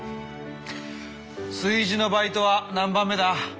炊事のバイトは何番目だ？